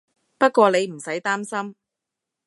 不過你唔使擔心